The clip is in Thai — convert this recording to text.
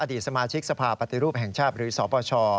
ดีสมาชิกสภาปฏิรูปแห่งชาติหรือสปช